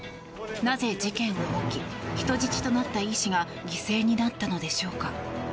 なぜ事件は起き人質となった医師が犠牲になったのでしょうか。